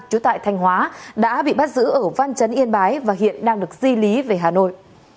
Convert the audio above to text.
trú tại thanh hóa đã bị bắt giữ ở văn chấn yên bái và hiện đang được di lý về hà nội